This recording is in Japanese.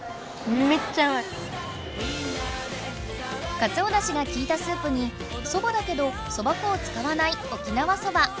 かつおだしがきいたスープにそばだけどそば粉をつかわない沖縄そば。